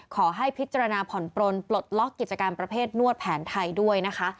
ขอให้พิจารณาผ่อนปลนปลดล็อกกิจการประเภทนวดแผนไทยด้วยนะคะ